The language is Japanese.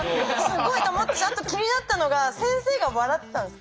すごいと思ったしあと気になったのが先生が笑ってたんですよ。